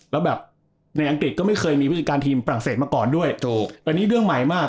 แล้วแบบในอังกฤษก็ไม่เคยมีผู้จัดการทีมฝรั่งเศสมาก่อนด้วยถูกอันนี้เรื่องใหม่มาก